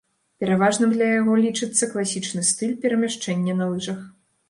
Пераважным для яго лічыцца класічны стыль перамяшчэння на лыжах.